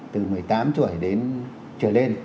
từ một mươi tám tuổi đến trở lên